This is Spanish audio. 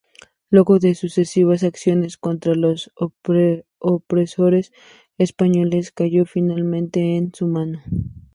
Luego de sucesivas acciones contra los opresores españoles cayó finalmente en su manos.